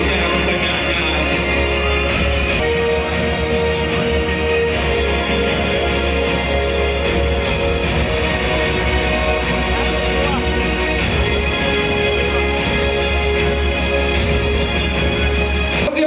เมื่อเวลาอันดับสุดท้ายมันกลายเป้าหมายเป้าหมาย